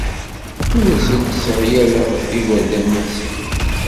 Ur asen-sseɣyaleɣ igerdan-nsent.